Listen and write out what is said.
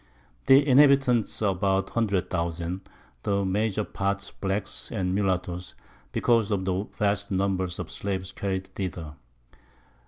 The Inhabitants are about 100000, the major part Blacks, and Mulatto's, because of the vast Number of Slaves carried thither.